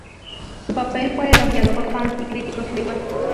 Su papel fue elogiado por fans y críticos por igual.